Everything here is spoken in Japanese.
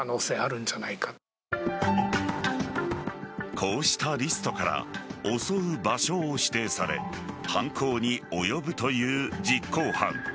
こうしたリストから襲う場所を指定され犯行に及ぶという実行犯。